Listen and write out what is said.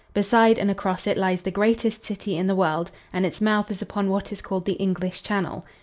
Beside and across it lies the greatest city in the world and its mouth is upon what is called the English Channel.